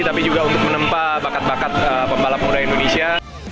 tapi juga untuk menempa bakat bakat pembalap muda indonesia